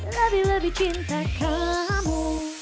lebih lebih cinta kamu